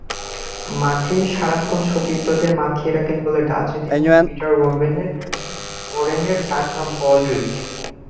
মাঠে সারাক্ষণই সতীর্থদের মাতিয়ে রাখেন বলে ডাচ অধিনায়ক পিটার বোরেনের ডাকনাম বলড্রিক।